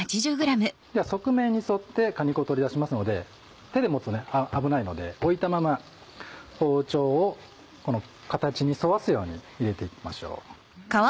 では側面に沿って果肉を取り出しますので手で持つと危ないので置いたまま包丁をこの形に沿わすように入れていきましょう。